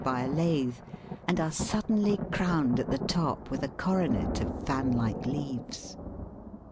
by a lathe, and are suddenly crowned at the top with a coronet of fan like leaves.